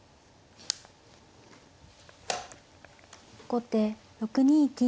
後手６二金。